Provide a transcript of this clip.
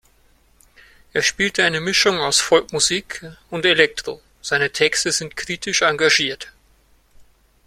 Er spielt eine Mischung aus Folkmusik und Elektro, seine Texte sind kritisch-engagiert.